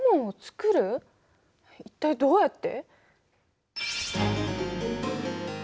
一体どうやって？